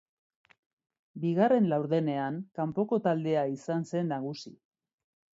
Bigarren laurdenean kanpoko taldea izan zen nagusi.